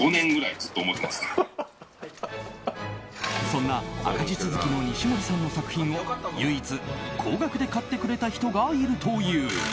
そんな赤字続きの西森さんの作品を唯一、高額で買ってくれた人がいるという。